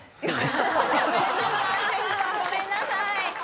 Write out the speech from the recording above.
ごめんなさい先輩！